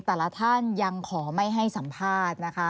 แต่ละท่านยังขอไม่ให้สัมภาษณ์นะคะ